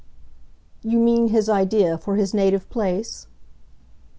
"You mean his idea for his native place?"